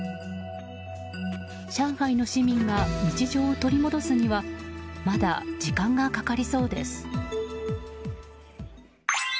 上海の市民が日常を取り戻すにはまだ時間がかかりそうです。